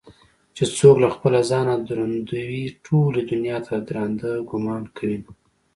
چې څوك له خپله ځانه دروندوي ټولې دنياته ددراندۀ ګومان كوينه